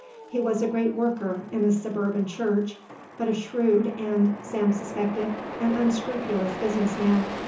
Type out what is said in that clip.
He was a great worker in a suburban church, but a shrewd and, Sam suspected, an unscrupulous business man.